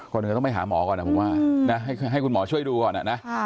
คนอื่นก็ต้องไปหาหมอก่อนอ่ะผมว่าอืมนะให้คุณหมอช่วยดูก่อนอ่ะนะอ่า